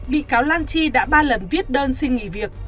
bị cáo lan chi đã ba lần viết đơn xin nghỉ việc